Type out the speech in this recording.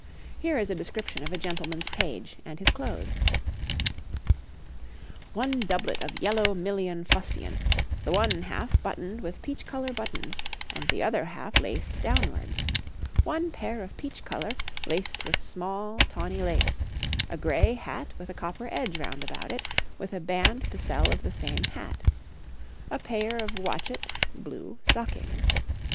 Here is a description of a gentleman's page and his clothes: 'One doublet of yelow million fustian, th'one halfe buttoned with peche colour buttons, and the other half laced downwards; one payer of peche colour, laced with smale tawnye lace; a graye hat with a copper edge rounde about it, with a band p'cell of the same hatt; a payer of watchet (blue) stockings.